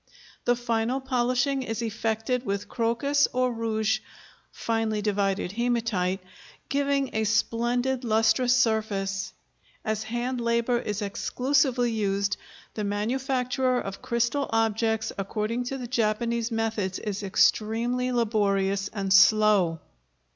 The final polishing is effected with crocus or rouge (finely divided hematite), giving a splendid lustrous surface. As hand labor is exclusively used, the manufacture of crystal objects according to the Japanese methods is extremely laborious and slow.